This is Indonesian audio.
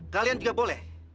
kalian juga boleh